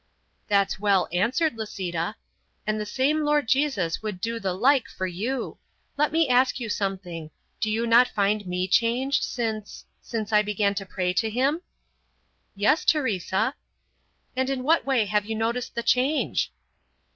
"That's well answered, Lisita! And the same Lord Jesus would do the like for you. Let me ask you something. Do you not find me changed since since I began to pray to Him?" "Yes, Teresa." "In what way have you noticed the change?"